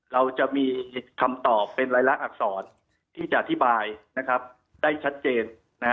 เราจะมีคำตอบเป็นรายละอักษรที่จะอธิบายนะครับได้ชัดเจน